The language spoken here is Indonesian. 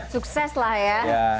sukses lah ya